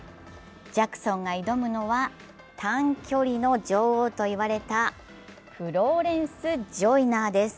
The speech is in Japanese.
ジャクソンが挑むのは、短距離の女王といわれたフローレンス・ジョイナーです。